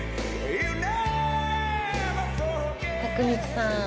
徳光さん